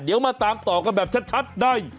เดี๋ยวมาตามต่อกันแบบชัดได้